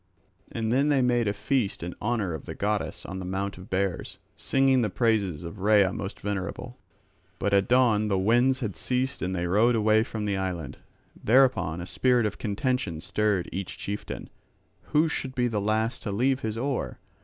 And then they made a feast in honour of the goddess on the Mount of Bears, singing the praises of Rhea most venerable; but at dawn the winds had ceased and they rowed away from the island. Thereupon a spirit of contention stirred each chieftain, who should be the last to leave his oar.